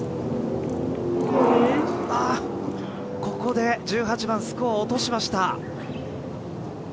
ここで１８番スコアを落としました。